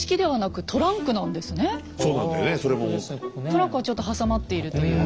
トランクがちょっと挟まっているという。